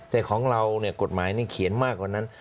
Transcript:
แต่ของเราเนี่ยกฎหมายนี่เขียนมากกว่านั้น